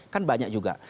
kan banyak juga